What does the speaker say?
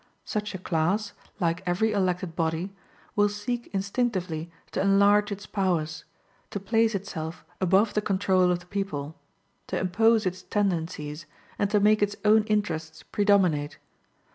Such a class, like every elected body, will seek instinctively to. enlarge its powers; to place itself above the control of the people; to impose its tendencies, and to make its own interests predominate.